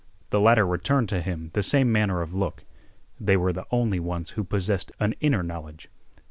The latter returned to him the same manner of look. They were the only ones who possessed an inner knowledge.